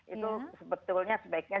itu sebetulnya sebaiknya